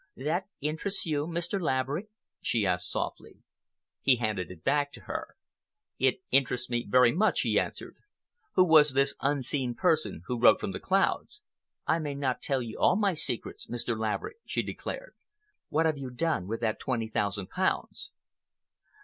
"That interests you, Mr. Laverick?" she asked softly. He handed it back to her. "It interests me very much," he answered. "Who was this unseen person who wrote from the clouds?" "I may not tell you all my secrets, Mr. Laverick," she declared. "What have you done with that twenty thousand pounds?"